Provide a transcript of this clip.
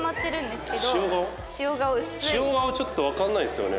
塩顔ちょっとわかんないんですよね。